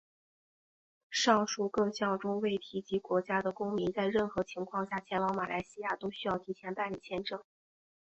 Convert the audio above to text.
上述各项中未提及国家的公民在任何情况下前往马来西亚都需要提前办理签证。